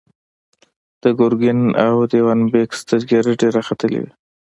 د ګرګين او دېوان بېګ سترګې رډې راختلې وې.